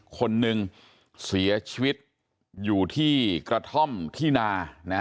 คนหนึ่งเสียชีวิตอยู่ที่กระท่อมที่นา